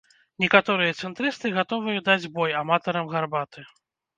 Некаторыя цэнтрысты гатовыя даць бой аматарам гарбаты.